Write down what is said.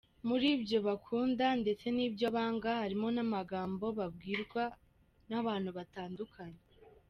Muri ibyo bakunda ndetse n’ibyo banga harimo n’amagambo babwirwa n’abantu batandukanye.